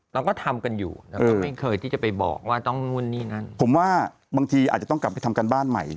เราก็ทำกันอยู่เราก็ไม่เคยที่จะไปบอกว่าต้องนู่นนี่นั่นผมว่าบางทีอาจจะต้องกลับไปทำการบ้านใหม่